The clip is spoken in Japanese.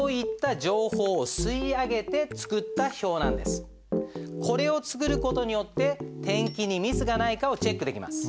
この試算表はこれを作る事によって転記にミスがないかをチェックできます。